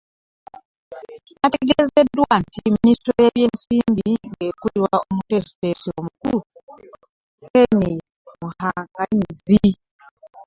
Nategeezeddwa nti Minisitule y'ebyensimbi ng'ekulirwa Omuteesiteesi omukulu, Keith Muhakanizi